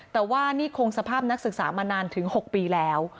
แต่ว่านี่คงสภาพนักศึกษามานานถึง๖ปีแล้ว